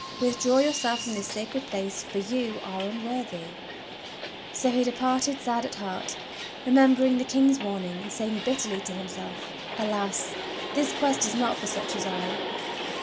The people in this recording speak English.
Withdraw j^ourself from this sacred place, for you are unworthy !" So he departed sad at heart, remembering the King's warning, and saying bitterly to himself: "Alas! this Quest is not for such as I!"